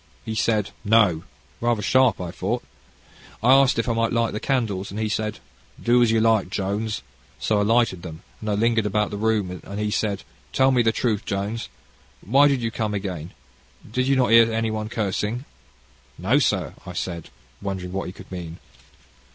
He said, No, rather sharp, I thought. I asked him if I might light the candles, and he said, 'Do as you like, Jones.' So I lighted them, and I lingered about the room, and he said, 'Tell me truth, Jones; why did you come again you did not hear anyone cursing?' 'No, sir,' I said, wondering what he could mean.